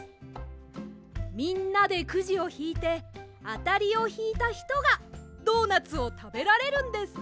みんなでくじをひいてあたりをひいたひとがドーナツをたべられるんです。